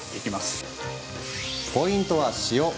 ポイントは塩。